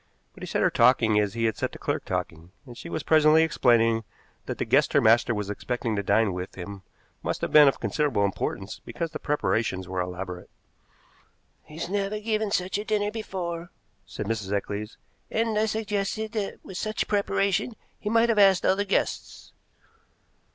But he set her talking as he had set the clerk talking, and she was presently explaining that the guest her master was expecting to dine with him must have been of considerable importance, because the preparations were elaborate. "He's never given such a dinner before," said Mrs. Eccles, "and I suggested that with such preparation he might have asked other guests."